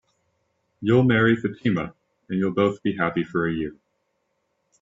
You'll marry Fatima, and you'll both be happy for a year.